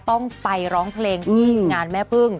ต้องไปร้องเพลงที่งานแม่พึ่ง